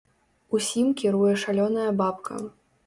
Усім кіруе шалёная бабка.